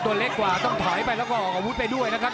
ตัวเล็กกว่าต้องถอยไปแล้วก็ออกอาวุธไปด้วยนะครับ